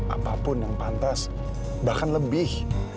apapun yang pantas bahkan lebih